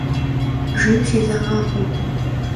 Jjêym sêzeğakhım.